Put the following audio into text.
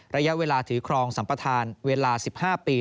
ระยะเวลาถือครองสัมปทานเวลา๑๕ปี